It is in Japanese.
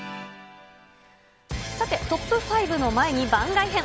さて、トップ５の前に番外編。